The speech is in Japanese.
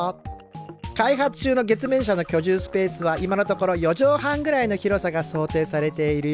開発中の月面車の居住スペースは今のところ四畳半ぐらいの広さが想定されているよ。